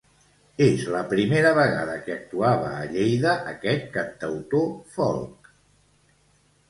És la primera vegada que actuava a Lleida aquest cantautor folk.